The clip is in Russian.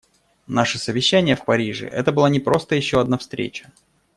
Наше совещание в Париже − это была не просто еще одна встреча.